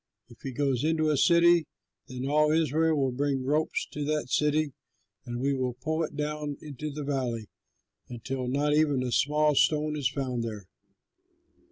If he goes into a city, then all Israel will bring ropes to that city, and we will pull it down into the valley, until not even a small stone is found there."